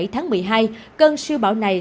một mươi bảy tháng một mươi hai cân siêu bão này